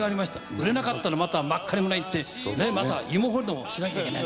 売れなかったらまた真狩村行ってまた芋掘りでもしなきゃいけない。